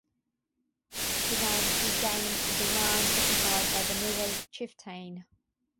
Venad regained the lands occupied by the Mughal chieftain.